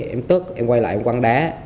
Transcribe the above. em tức em quay lại em quăng đá